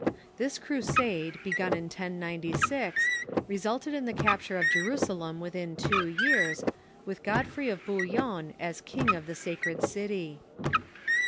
This Crusade, begun in 1096, resulted in the capture of Jerusalem within two years, with Godfrey of Bouillon as Jiing of the saci ed city.